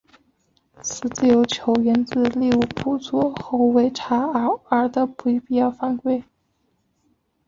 此自由球源自利物浦左后卫查奥尔的不必要犯规。